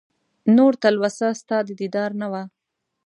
نور تلوسه ستا د دیدار نه وه